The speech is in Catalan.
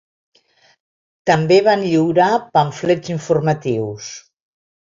També van lliurar pamflets informatius.